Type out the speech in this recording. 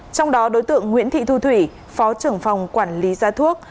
trong đó đối tượng nguyễn thị thu thủy phó trưởng phòng quản lý giá thuốc